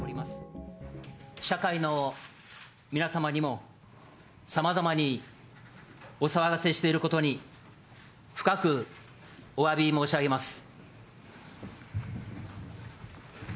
社会の皆様にも、さまざまにお騒がせしていることに深くおわび申し上げます。